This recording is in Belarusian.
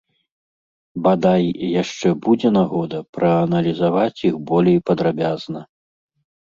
Бадай, яшчэ будзе нагода прааналізаваць іх болей падрабязна.